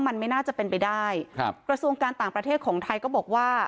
มันไม่น่าจะเป็นไปได้ครับกระทรวงการต่างประเทศของไทยก็บอกว่า